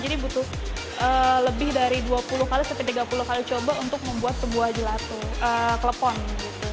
jadi butuh lebih dari dua puluh tiga puluh kali coba untuk membuat sebuah gelato klepon gitu